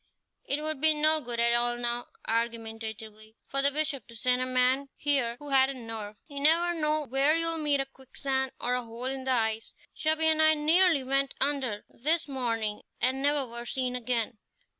"It would be no good at all now" argumentatively "for the Bishop to send a man here who hadn't nerve. You never know where you'll meet a quicksand, or a hole in the ice. Chubby and I nearly went under this morning and never were seen again.